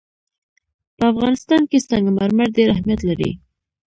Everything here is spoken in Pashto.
په افغانستان کې سنگ مرمر ډېر اهمیت لري.